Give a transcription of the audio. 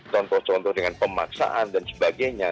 contoh contoh dengan pemaksaan dan sebagainya